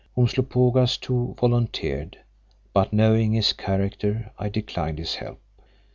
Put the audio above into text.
Umslopogaas, too, volunteered, but knowing his character, I declined his help.